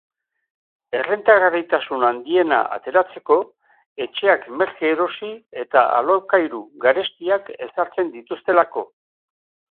Errentagarritasun handiena ateratzeko, etxeak merke erosi eta alokairu garestiak ezartzen dituztelako.